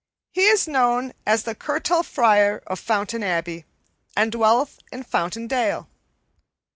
He is known as the Curtal Friar of Fountain Abbey, and dwelleth in Fountain Dale."